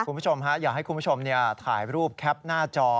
คุณผู้ชมฮะอยากให้คุณผู้ชมถ่ายรูปแคปหน้าจอ